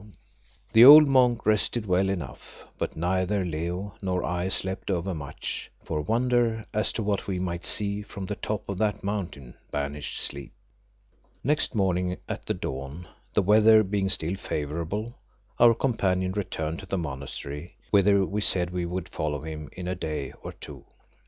The old monk rested well enough, but neither Leo nor I slept over much, for wonder as to what we might see from the top of that mountain banished sleep. Next morning at the dawn, the weather being still favourable, our companion returned to the monastery, whither we said we would follow him in a day or two.